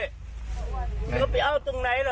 อย่าไปเอาตรงไหน